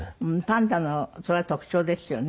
パンダのそれは特徴ですよね。